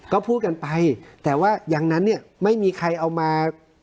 ก็พูดกันไปแต่ว่ายังนั้นไม่มีใครเอามา